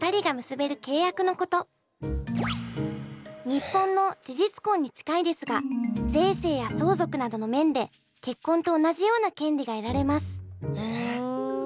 日本の事実婚に近いですが税制や相続などの面で結婚と同じような権利が得られます。